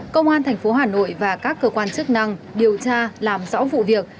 công an thành phố hà nội và các cơ quan chức năng điều tra làm rõ vụ việc